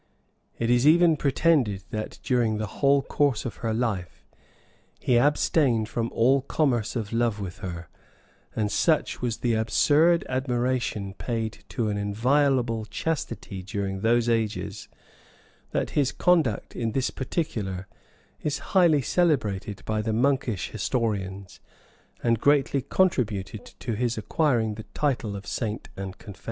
It is even pretended, that, during the whole course of her life, he abstained from all commerce of love with her; and such was the absurd admiration paid to an inviolable chastity during those ages, that his conduct in this particular is highly celebrated by the monkish historians, and greatly contributed to his acquiring the title of saint and confessor[] {1048.